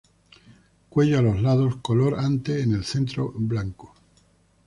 Cuello a los lados color ante, en el centro blanco.